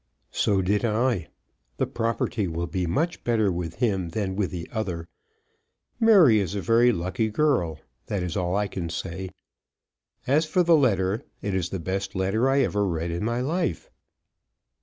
"So did I. The property will be much better with him than with the other. Mary is a very lucky girl. That's all I can say. As for the letter, it's the best letter I ever read in my life."